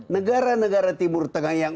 negara negara timur tengah yang